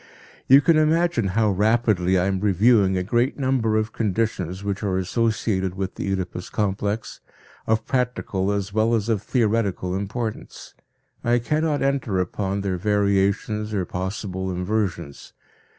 You can imagine how rapidly I am reviewing a great number of conditions which are associated with the Oedipus complex, of practical as well as of theoretical importance. I cannot enter upon their variations or possible inversions.